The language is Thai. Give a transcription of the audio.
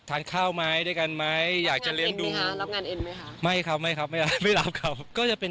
อ้าวพี่บ้านโสดเหรอ